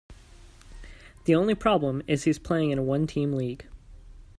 The only problem is he's playing in a one-team league.